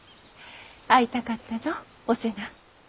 会いたかったぞお瀬名。